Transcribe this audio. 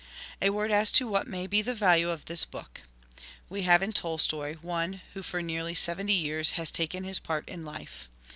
A word as to what may be the value of this book. We have in Tolstoi' one who for nearly seventy years has taken his part in life.